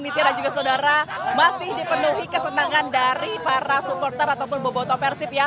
nitya dan juga saudara masih dipenuhi kesenangan dari para supporter ataupun boboto persib ya